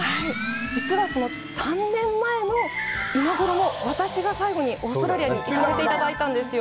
実はその３年前の今ごろも私が最後にオーストラリアに行かせていただいたんですよ。